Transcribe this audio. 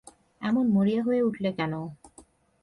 এমন মরিয়া হয়ে উঠলে কেন।